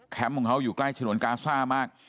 ของเขาอยู่ใกล้ฉนวนกาซ่ามาก